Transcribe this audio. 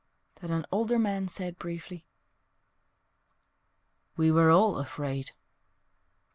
Then an older man said briefly, "We were all afraid